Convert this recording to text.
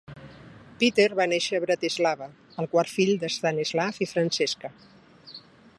Peter va néixer a Bratislava, el quart fill de Stanislav i Frantiska.